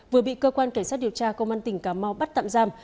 vừa bị cơ quan cảnh sát điều tra công an tỉnh cà mau bắt tạm giam